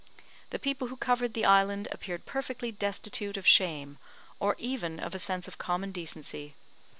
The people who covered the island appeared perfectly destitute of shame, or even of a sense of common decency.